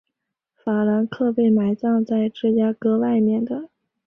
法兰克被埋葬在芝加哥外面的。